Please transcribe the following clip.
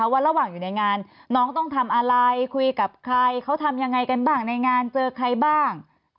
ว่าระหว่างอยู่ในงานน้องต้องทำอะไรคุยกับใครเขาทำยังไงกันบ้างในงานเจอใครบ้าง